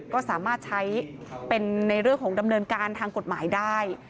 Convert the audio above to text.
ก็สามารถใช้เป็นในเรื่องของดำเนินการทางกฎหมายได้